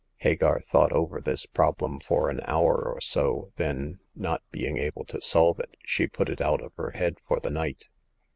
Hagar thought over this problem for an hour or so, then, not being able to solve it, she put it out of her head for the night.